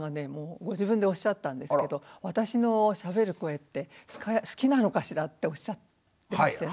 ご自分でおっしゃったんですけど私のしゃべる声って好きなのかしらっておっしゃってましたよね。